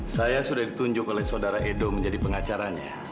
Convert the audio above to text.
saya sudah ditunjuk oleh saudara edo menjadi pengacaranya